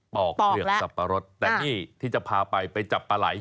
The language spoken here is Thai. อกเปลือกสับปะรดแต่นี่ที่จะพาไปไปจับปลาไหล่